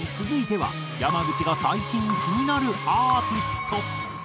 続いては山口が最近気になるアーティスト。